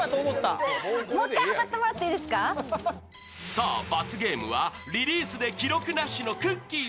さぁ、罰ゲームはリリースで記録なしのくっきー！